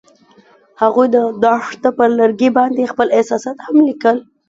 هغوی د دښته پر لرګي باندې خپل احساسات هم لیکل.